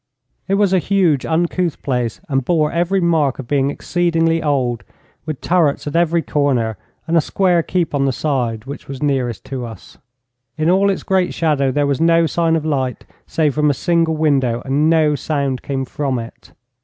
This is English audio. It was a huge, uncouth place, and bore every mark of being exceedingly old, with turrets at every corner, and a square keep on the side which was nearest to us. In all its great shadow there was no sign of light save from a single window, and no sound came from it.